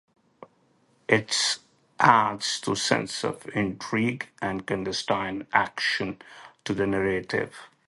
It adds a sense of intrigue and clandestine action to the narrative.